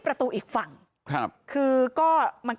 พอครูผู้ชายออกมาช่วยพอครูผู้ชายออกมาช่วย